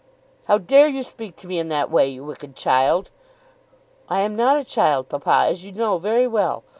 "How dare you speak to me in that way, you wicked child!" "I am not a child, papa, as you know very well.